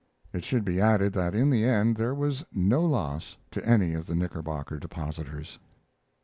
It should be added that in the end there was no loss to any of the Knickerbocker depositors.